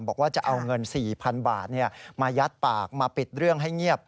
บอกว่าจะเอาเงิน๔๐๐๐บาทมายัดปากมาปิดเรื่องให้เงียบ